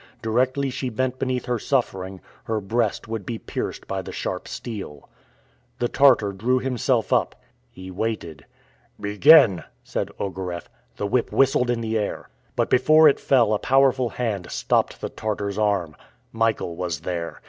Directly she bent beneath her suffering, her breast would be pierced by the sharp steel. The Tartar drew himself up. He waited. "Begin!" said Ogareff. The whip whistled in the air. But before it fell a powerful hand stopped the Tartar's arm. Michael was there.